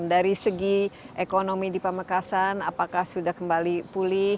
dari segi ekonomi di pamekasan apakah sudah kembali pulih